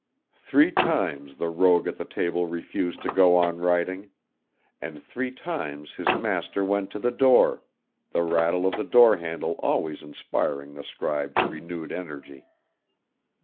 Three times the rogue at the table refused to go on writing, and three times his master went to the door, the rattle of the door handle always inspiring the scribe to renewed energy.